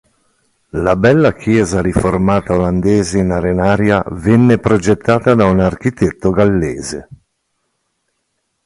La bella chiesa riformata olandese in arenaria venne progettata da un architetto gallese.